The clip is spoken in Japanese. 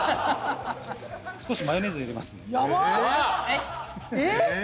少しマヨネーズ入れますやばっえっ？